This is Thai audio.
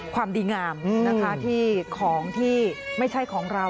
ความดีงามนะคะที่ของที่ไม่ใช่ของเรา